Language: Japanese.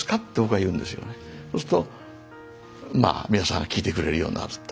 そうすると皆さんが聴いてくれるようになると。